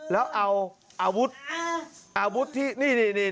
แล้วเอาอาวุธอาวุธที่นี่